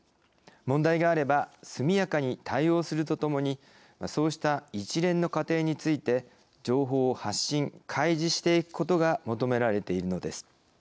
問題があれば速やかに対応するとともにそうした一連の過程について情報を発信、開示していくことが求められているのです。